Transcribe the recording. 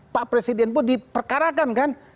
pak presiden pun diperkarakan